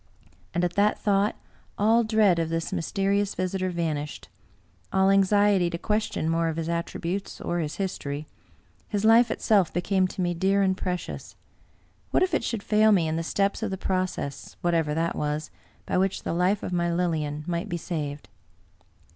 And at that thought all dread of this mysterious visitor 70 Bulwer Lytton vanished — ^all anxiety to question more of his attributes or his history. His life itself became to me dear and pre cious. What if it should fail me in the steps of the process, whatever that was, by which the life of my Lilian might be saved